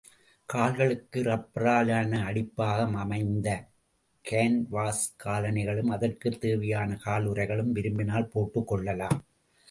கால்களுக்கு ரப்பரால் ஆன அடிப்பாகம் அமைந்த கான்வாஸ் காலணிகளும், அதற்குத் தேவையான காலுறைகளும் விரும்பினால் போட்டுக் கொள்ளலாம்.